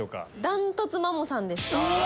断トツマモさんです。